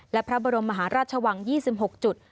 และพระบรมมหาราชวัง๒๖จุด